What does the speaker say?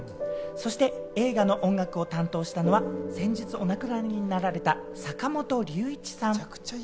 そして映画の音楽を担当したのは先日お亡くなりになられた坂本龍一さん。